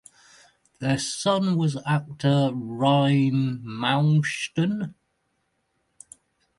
Their son was actor Rein Malmsten.